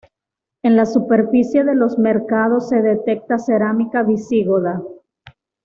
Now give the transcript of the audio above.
En la superficie de Los Mercados se detecta cerámica visigoda.